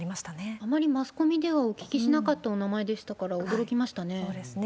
あまりマスコミではお聞きしなかったお名前でしたから、驚きそうですね。